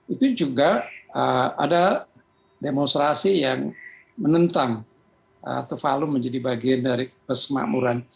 itu juga ada demonstrasi yang menentang tuvalu menjadi bagian dari persemakmuran